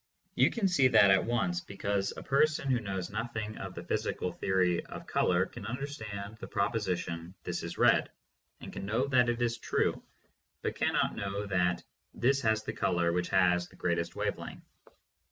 You can see that at once, because a person who knows nothing of the physical theory of color can understand the proposition "This is red," and can know that it is true, but cannot know that "This has the color which has the great est wave length."